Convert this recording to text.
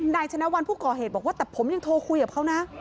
นายชนะวันผู้ก่อเหตุบอกว่าแต่ผมยังโทรคุยกับเขานะ